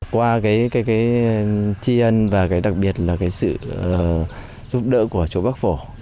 qua cái tri ân và cái đặc biệt là cái sự giúp đỡ của chủ bắc phổ